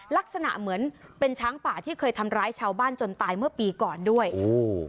ลักษณะเหมือนเป็นช้างป่าที่เคยทำร้ายชาวบ้านจนตายเมื่อปีก่อนด้วยโอ้